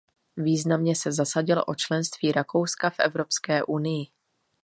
Významně se zasadil o členství Rakouska v Evropské unii.